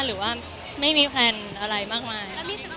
หรือว่าไม่มีแพลนอะไรมากมาย